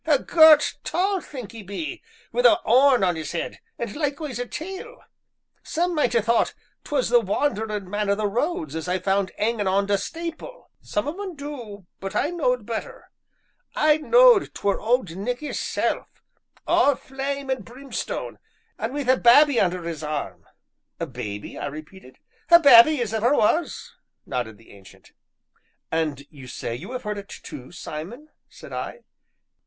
"A gert, tall think 'e be, wi' a 'orn on 'is 'ead, and likewise a tail; some might ha' thought 't was the Wanderin' Man o' the Roads as I found 'angin' on t' stapil some on 'em du, but I knowed better I knowed 't were Old Nick 'isself, all flame, and brimstone, an' wi' a babby under 'is arm!" "A baby?" I repeated. "A babby as ever was," nodded the Ancient. "And you say you have heard it too, Simon?" said I.